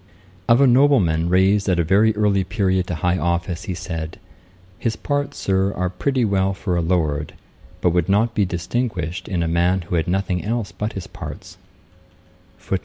Of a nobleman raised at a very early period to high office, he said, 'His parts, Sir, are pretty well for a Lord; but would not be distinguished in a man who had nothing else but his parts'.